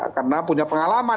karena punya pengalaman